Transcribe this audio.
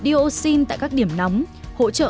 dioxin tại các điểm nóng hỗ trợ